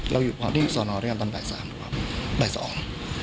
เราอยู่ข้างที่สวนรถกันตอนบ่ายสอง